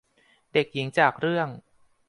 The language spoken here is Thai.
เด็กหญิงจากเรื่อง